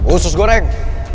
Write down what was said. oh sus goreng